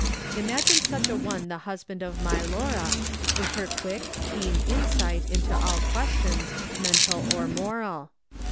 Imagine such a one the husband of my Laura, with her quick, keen insight into all questions, mental or moral.